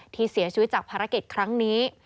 ที่เสียชีวิตจากภารกิจครั้งนี้